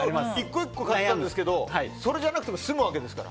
１個１個買ってたんですけどそれじゃなくて済むわけですね。